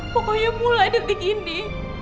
pokoknya mulai detik ini